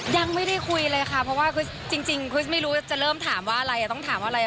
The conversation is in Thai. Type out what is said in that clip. ยังไม่ได้คุยเลยค่ะเพราะว่าคริสจริงคริสไม่รู้จะเริ่มถามว่าอะไรต้องถามอะไร